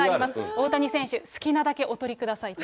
大谷選手、好きなだけお取りくださいと。